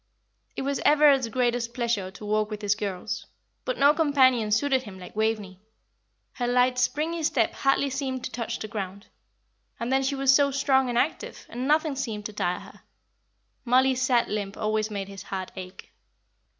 It was Everard's greatest pleasure to walk with his girls, but no companion suited him like Waveney; her light, springy step hardly seemed to touch the ground and then she was so strong and active, and nothing seemed to tire her. Mollie's sad limp always made his heart ache.